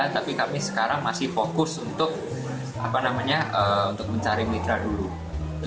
tapi kami sekarang masih fokus untuk apa namanya untuk mencari mitra dulu